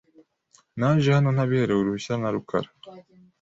Naje hano ntabiherewe uruhushya na rukara .